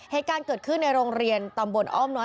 เหตุการณ์เกิดขึ้นในโรงเรียนตำบลอ้อมน้อย